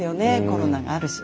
コロナがあるし。